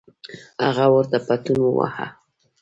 هغه ورته پتون وواهه.